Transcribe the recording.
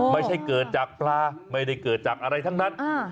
ไม่ใช่เกิดจากปลาไม่ได้เกิดจากอะไรทั้งนั้น